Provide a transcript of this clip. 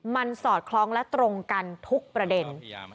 มันสอดคล้องและตรงกันทุกประเด็น